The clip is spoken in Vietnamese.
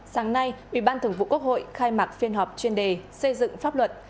sáng nay ubnd khai mạc phiên họp chuyên đề xây dựng pháp luật